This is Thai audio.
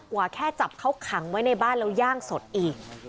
ว่าแค่จับเขาขังไว้ในบ้านแล้วย่างสดอีก